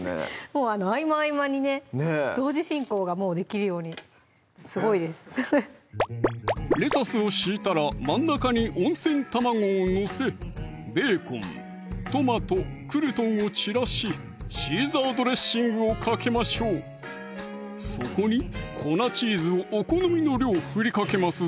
もう合間に合間にね同時進行ができるようにすごいですレタスを敷いたら真ん中に温泉卵を載せベーコン・トマト・クルトンを散らしシーザードレッシングをかけましょうそこに粉チーズをお好みの量振りかけます